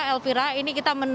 elvira ini kita menantang